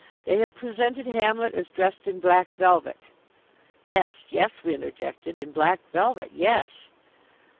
They have presented Hamlet as dressed in black velvet." "Yes, yes," we interjected, "in black velvet, yes!"